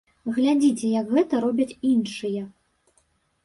Глядзіце, як гэта робяць іншыя!